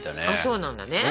そうなんだね。